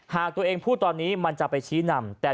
หากตัวเองพูดตอนนี้มันจะไปชี้นำ